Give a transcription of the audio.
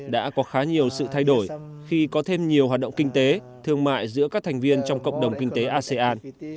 đã có khá nhiều sự thay đổi khi có thêm nhiều hoạt động kinh tế thương mại giữa các thành viên trong cộng đồng kinh tế asean